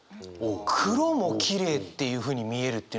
黒もきれいっていうふうに見えるっていうのがすごいな。